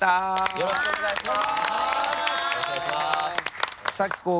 よろしくお願いします。